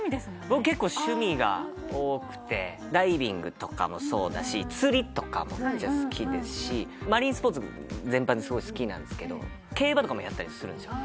僕結構趣味が多くてダイビングとかもそうだし釣りとかもめっちゃ好きですしマリンスポーツ全般すごい好きなんですけど競馬とかもやったりするんですよ